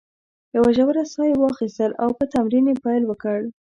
یوه ژوره ساه یې واخیستل او په تمرین یې پیل وکړ.